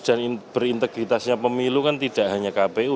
dan berintegritasnya pemilu kan tidak hanya kpu